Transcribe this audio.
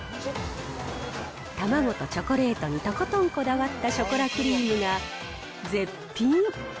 卵とチョコレートにとことんこだわったショコラクリームが絶品。